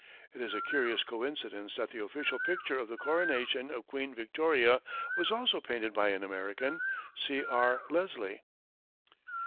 It is a curious coincidence that the official picture of the coronation of Queen Victoria was also painted by an American, C. R. Leslie.